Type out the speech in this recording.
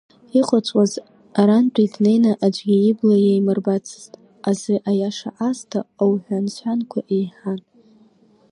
Иҟаҵәҟьаз арантәи днеины аӡәгьы ибла иаимырбацызт азы аиаша аасҭа ауҳәан-сҳәанқәа еиҳан.